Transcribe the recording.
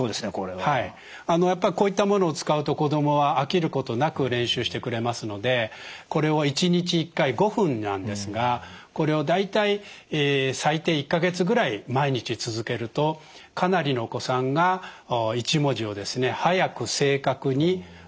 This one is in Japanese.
はいやっぱりこういったものを使うと子どもは飽きることなく練習してくれますのでこれを１日１回５分なんですがこれを大体最低１か月ぐらい毎日続けるとかなりのお子さんが１文字を速く正確に楽に読めるようになっていきます。